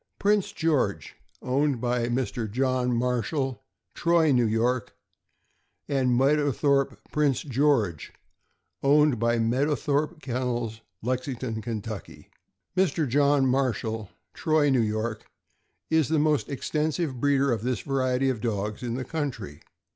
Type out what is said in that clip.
Prince George, owned by Mr. John Marshall, Troy, N. Y. , and Meadowthorpe Prince George, owned by Mead owthorpe Kennels, Lexington, Ky. Mr. John Marshall, Troy, N. Y., is the most extensive breeder of this variety of dogs in the country.